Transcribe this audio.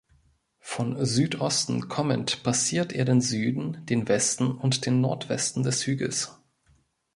Von Südosten kommend passiert er den Süden, den Westen und den Nordwesten des Hügels.